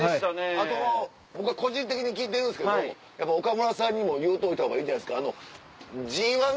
あと僕は個人的に聞いてるんですけど岡村さんにも言うといたほうがいいんじゃないですか。